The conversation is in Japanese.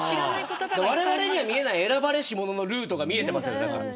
われわれには見えない選ばれし者のルートが見えていますから。